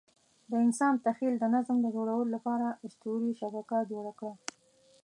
د انسان تخیل د نظم د جوړولو لپاره اسطوري شبکه جوړه کړه.